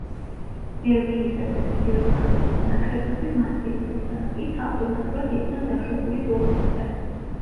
ბელგიისა და ნიდერლანდების ნაკრებები მასპინძლის რანგით ავტომატურად იყვნენ დაშვებული ტურნირზე.